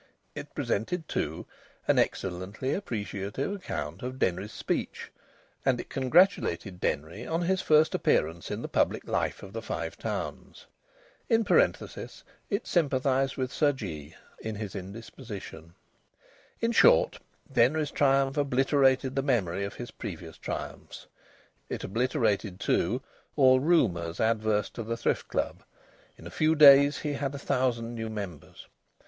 It presented, too, an excellently appreciative account of Denry's speech, and it congratulated Denry on his first appearance in the public life of the Five Towns. (In parenthesis it sympathised with Sir Jee in his indisposition.) In short, Denry's triumph obliterated the memory of his previous triumphs. It obliterated, too, all rumours adverse to the Thrift Club. In a few days he had a thousand new members.